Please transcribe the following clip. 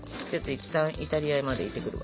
いったんイタリアまで行ってくるわ。